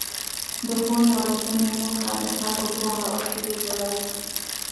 د ښوونې او روزنې موخه د خلکو پوهه او شعور لوړول دي.